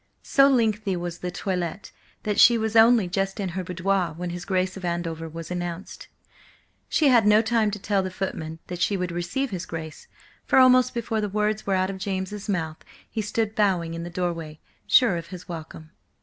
So lengthy was the toilet that she was only just in her boudoir when his Grace of Andover was announced. She had no time to tell the footman that she would receive his Grace, for almost before the words were out of James' mouth, he stood bowing in the doorway, sure of his welcome.